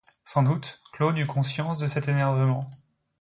Sans doute, Claude eut conscience de cet énervement.